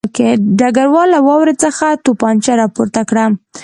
ډګروال له واورې څخه توپانچه راپورته کړه